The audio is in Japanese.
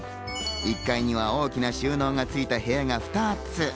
１階には大きな収納がついた部屋が２つ。